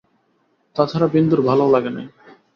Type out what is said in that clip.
তা ছাড়া বিন্দুর ভালোও লাগে নাই।